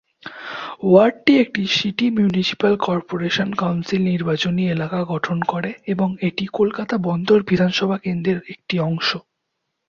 ওয়ার্ডটি একটি city municipal corporation council নির্বাচনী এলাকা গঠন করে এবং এটি কলকাতা বন্দর বিধানসভা কেন্দ্রর একটি অংশ।